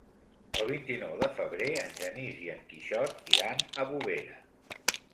El vint-i-nou de febrer en Genís i en Quixot iran a Bovera.